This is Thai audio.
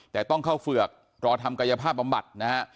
แต่ต้องเข้าเฝือกรอทำกายภาพบำบัดนะฮะ